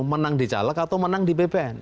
menang di caleg atau menang di bpn